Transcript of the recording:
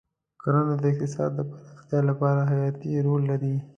کرنه د اقتصاد د پراختیا لپاره حیاتي رول لري.